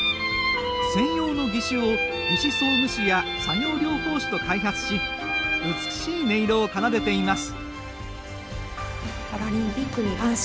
専用の義手を義肢装具士や作業療法士と開発し美しい音色を奏でています。